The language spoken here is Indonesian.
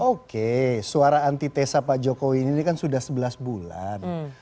oke suara antitesa pak jokowi ini kan sudah sebelas bulan